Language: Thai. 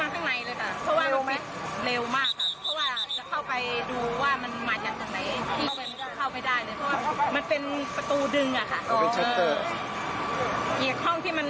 ที่มันไฟมันมานำขวันชะวันหน้าจะเข้าข้องที่๒